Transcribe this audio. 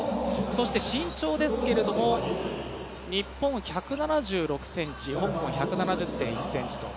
そして身長ですが日本１７６ｃｍ、香港１７０．１ｃｍと。